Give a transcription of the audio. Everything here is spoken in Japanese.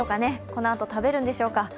このあと食べるんでしょうか。